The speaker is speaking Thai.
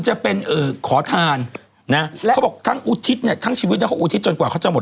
จะเป็นเอ่อขอทานนะแล้วเขาบอกทั้งอุทิศเนี่ยทั้งชีวิตแล้วก็อุทิศจนกว่าเขาจะหมด